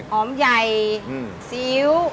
หอมใหญ่ซีอิ๊ว